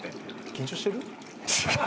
緊張してる？